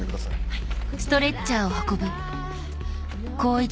はい。